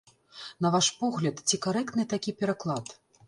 На ваш погляд, ці карэктны такі пераклад?